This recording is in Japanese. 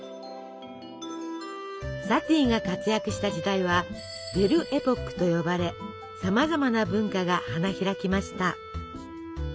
サティが活躍した時代は「ベル・エポック」と呼ばれさまざまな文化が花開きました。